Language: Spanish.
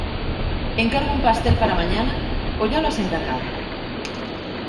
Encargo un pastel para mañana ¿o ya lo has encargado?